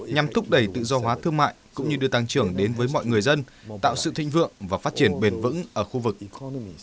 nhằm thúc đẩy tự do hóa thương mại cũng như đưa tăng trưởng đến với mọi người dân tạo sự thịnh vượng và phát triển bền vững ở khu vực